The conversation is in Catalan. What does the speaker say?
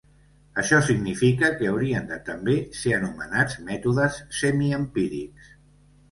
Això significa que haurien de també ser anomenats mètodes semiempírics.